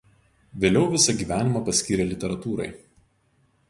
Vėliau visą gyvenimą paskyrė literatūrai.